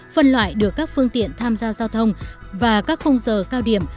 phân loại được các phương tiện tham gia giao thông và các khung giờ cao điểm